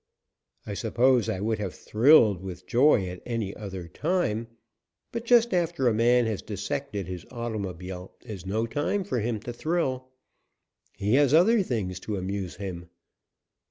I suppose I would have thrilled with joy at any other time, but just after a man has dissected his automobile is no time for him to thrill. He has other things to amuse him.